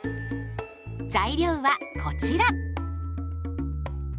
材料はこちら。